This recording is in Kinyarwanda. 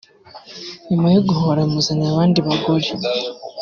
nyuma yo guhora amuzaniraho abandi bagore